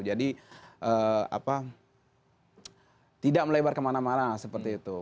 jadi tidak melebar kemana mana seperti itu